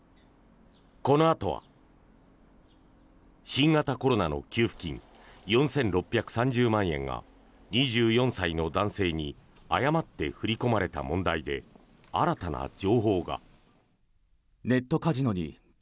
新型コロナの給付金４６３０万円が２４歳の男性に誤って振り込まれた問題で新たな情報が。